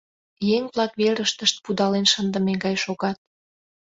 Еҥ-влак верыштышт пудален шындыме гай шогат.